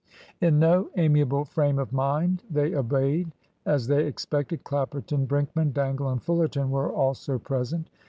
In no amiable frame of mind they obeyed. As they expected, Clapperton, Brinkman, Dangle, and Fullerton were also present.